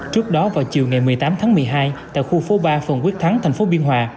trước đó vào chiều ngày một mươi tám tháng một mươi hai tại khu phố ba phường quyết thắng thành phố biên hòa